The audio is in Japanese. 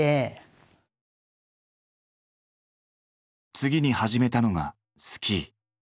次に始めたのがスキー。